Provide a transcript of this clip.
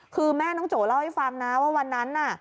คือแม่น้องโจเล่าให้ฟังนะว่าวันนั้นน่ะ